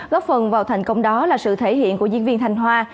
góp phần vào thành công đó là sự thể hiện của diễn viên thanh hoa